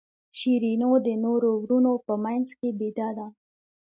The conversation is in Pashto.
شیرینو د نورو وروڼو په منځ کې بېده ده.